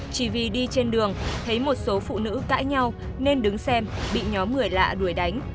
chỉ vì đi trên đường thấy một số phụ nữ cãi nhau nên đứng xem bị nhóm người lạ đuổi đánh